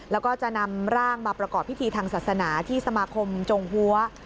แล้วก็จะนำร่างมาประกอบพิธีทางศาสนาที่สมาคมจงหัว